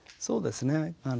そうですね。